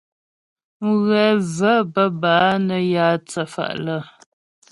Mghɛ və̀ bə́ bâ nə́ yǎ thə́fa' lə́.